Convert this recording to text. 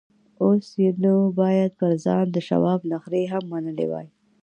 اوس يې نو بايد پر ځان د شواب نخرې هم منلې وای.